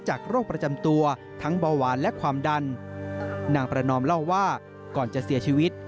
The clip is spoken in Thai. โรคประจำตัวทั้งเบาหวานและความดันนางประนอมเล่าว่าก่อนจะเสียชีวิต